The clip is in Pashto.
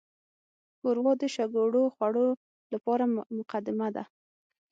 ښوروا د شګوړو خوړو لپاره مقدمه ده.